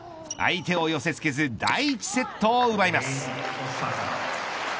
相手を寄せつけず第１セットを奪います。